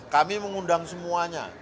kami mengundang semuanya